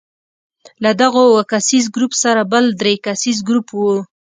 له دغو اووه کسیز ګروپ سره بل درې کسیز ګروپ وو.